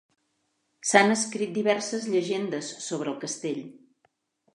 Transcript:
S'han escrit diverses llegendes sobre el castell.